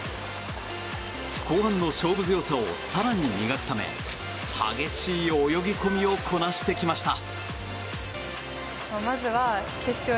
後半の勝負強さを更に磨くため激しい泳ぎ込みをこなしてきました！